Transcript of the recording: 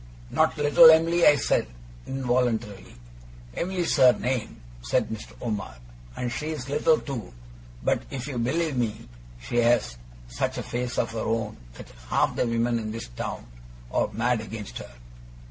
'Not little Em'ly?' said I, involuntarily. 'Em'ly's her name,' said Mr. Omer, 'and she's little too. But if you'll believe me, she has such a face of her own that half the women in this town are mad against her.